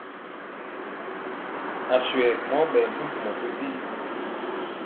Aswe mɔ ɓɛɛ mpumpumɔ to digi.